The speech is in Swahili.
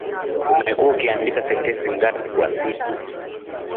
Umekuwa ukiandika sentensi ngapi kwa siku